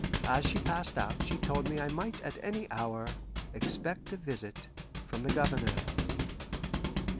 As she passed out she told me I might at any hour expect a visit from the Governor.